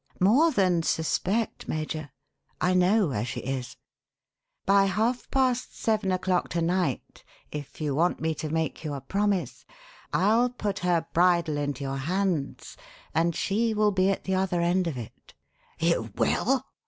"More than suspect, Major. I know where she is. By half past seven o'clock to night if you want me to make you a promise I'll put her bridle into your hands and she will be at the other end of it!" "You will?"